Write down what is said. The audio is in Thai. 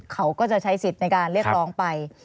เขาก็จะใช้สิทธิ์ในการเรียกร้องไป